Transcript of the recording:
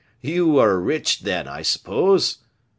you are rich, then, I suppose?"